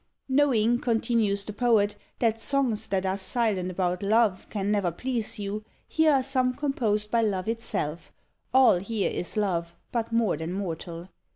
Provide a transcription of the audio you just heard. Knowing, continues the poet, that songs that are silent about love can never please you, here are some composed by love itself; all here is love, but more than mortal!